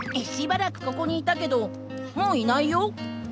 しばらくここにいたけどもういないよ。